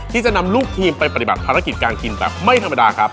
ที่จะนำลูกทีมไปปฏิบัติภารกิจการกินแบบไม่ธรรมดาครับ